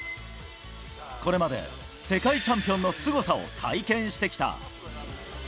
これまで世界チャンピオンのすごさを体験してきた。